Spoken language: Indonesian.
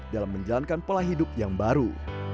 dalam menjalankan pola hidup yang baru